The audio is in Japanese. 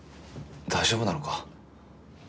大丈夫なのか？